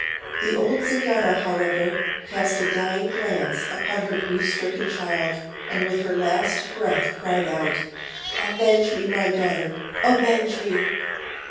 The old Zingara, however, cast a dying glance upon her grief stricken child, and with her last breath cried out: "Avenge me, my daughter! Avenge me!"